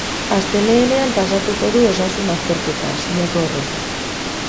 Astelehenean pasatuko du osasun azterketa, sinatu aurretik.